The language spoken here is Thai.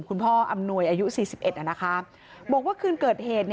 คุณพ่ออำนวยอายุ๔๑นะคะบอกว่าคืนเกิดเหตุ